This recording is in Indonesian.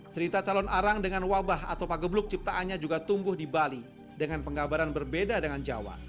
cerita calon arang dengan wabah atau pagebluk ciptaannya juga tumbuh di bali dengan penggabaran berbeda dengan jawa